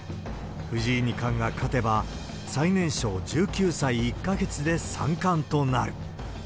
藤井二冠が勝てば、最年少１９歳１か月で三冠となる。